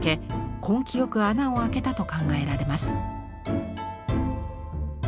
根気よく穴を開けたと考えられます。